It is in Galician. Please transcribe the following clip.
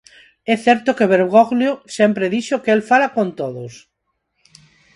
É certo que Bergoglio sempre dixo que el fala con todos.